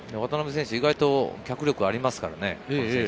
渡辺選手、意外と脚力ありますからね。